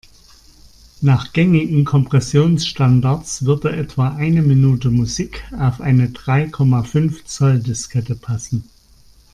Nach gängigen Kompressionsstandards würde etwa eine Minute Musik auf eine drei Komma fünf Zoll-Diskette passen.